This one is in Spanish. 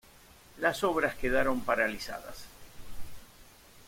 Las obras quedaron paralizadas.